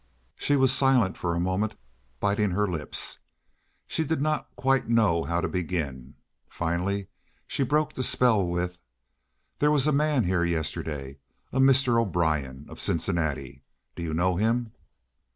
She was silent for a moment, biting her lips. She did not quite know how to begin. Finally she broke the spell with: "There was a man here yesterday—a Mr. O'Brien, of Cincinnati. Do you know him?"